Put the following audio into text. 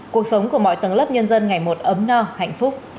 cuộc sống của mọi tầng lớp nhân dân ngày một ấm no hạnh phúc